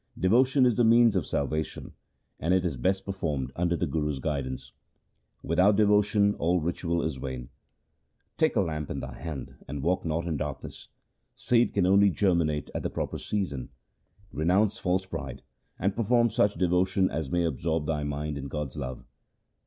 Devotion is the means of salvation, and it is best performed under the Guru's guidance. Without devotion all ritual is vain. Take a lamp in thy hand and walk not in darkness. Seed can only germinate at the proper season. Renounce false pride, and perform such devotion as may absorb thy mind in God's love.